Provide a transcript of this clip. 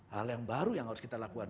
hal yang baru yang harus kita lakukan